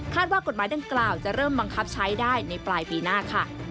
ว่ากฎหมายดังกล่าวจะเริ่มบังคับใช้ได้ในปลายปีหน้าค่ะ